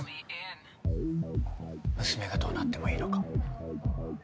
娘がどうなってもいいのか。